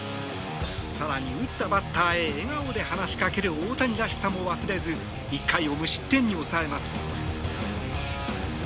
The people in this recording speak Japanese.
更に、打ったバッターへ笑顔で話しかける大谷らしさも忘れず１回を無失点に抑えます。